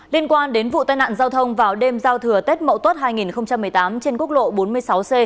liên quan đến vụ tai nạn giao thông vào đêm giao thừa tết mậu tuất hai nghìn một mươi tám trên quốc lộ bốn mươi sáu c